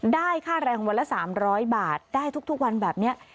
ได้ค่าแรงวันละ๓๐๐บาทได้ทุกวันแบบนี้